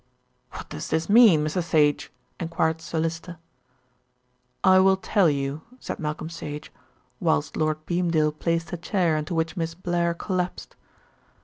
"What does this mean, Mr. Sage?" enquired Sir Lyster. "I will tell you," said Malcolm Sage, whilst Lord Beamdale placed a chair into which Miss Blair collapsed.